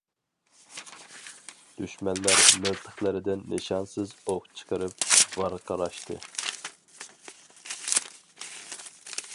دۈشمەنلەر مىلتىقلىرىدىن نىشانسىز ئوق چىقىرىپ ۋارقىراشتى.